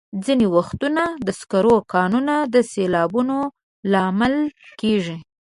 ځینې وختونه د سکرو کانونه د سیلابونو لامل کېږي.